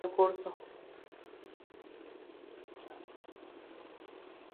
En lo que se refiere a las otras secciones a concurso.